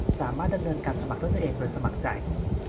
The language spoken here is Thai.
สามารถดำเนินการสมัครด้วยตนเองโดยสมัครใจ